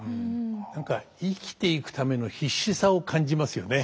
何か生きていくための必死さを感じますよね。